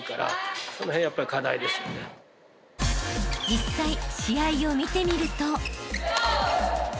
［実際試合を見てみると］